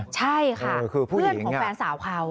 ใช่ค่ะเพื่อนของแฟนสาวเขา